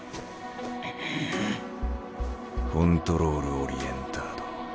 コントロールオリエンタード。